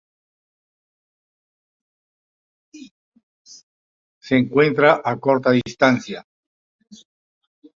Se encuentra a corta distancia al oeste de la ciudad de Madona.